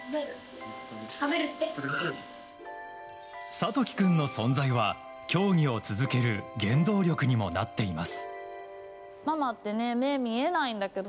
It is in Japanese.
諭樹君の存在は競技を続ける原動力にもなっています。